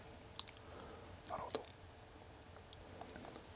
なるほど。